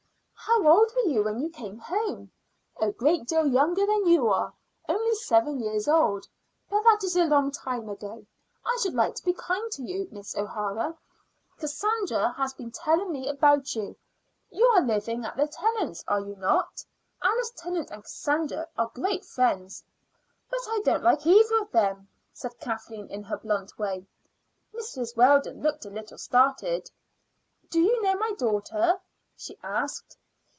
"How old were you when you came home?" "A great deal younger than you are: only seven years old. But that is a long time ago. I should like to be kind to you, Miss O'Hara. Cassandra has been telling me about you. You are living at the Tennants', are you not? Alice Tennant and Cassandra are great friends." "But I don't like either of them," said Kathleen in her blunt way. Mrs. Weldon looked a little startled. "Do you know my daughter?" she asked.